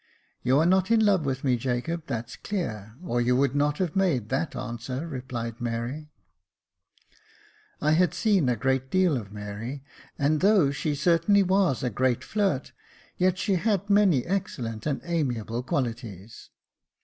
" You are not in love with me, Jacob, that's clear, or you would not have made that answer," replied Mary. Jacob Faithful 219 I had seen a great deal of Mary, and though she certainly was a great flirt, yet she had many excellent and amiable qualities.